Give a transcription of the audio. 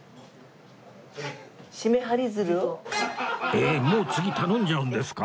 えっもう次頼んじゃうんですか？